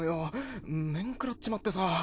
面食らっちまってさ。